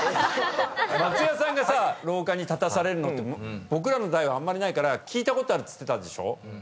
松也さんが廊下に立たされるのって僕らの代はあんまりないから聞いたことあるっつってたでしょ。